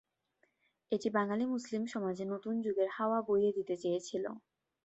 এটি বাঙালি মুসলিম সমাজে নতুন যুগের হাওয়া বইয়ে দিতে চেয়েছিল।